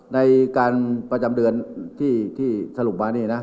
ในการประจำเดือนที่สรุปมานี่นะ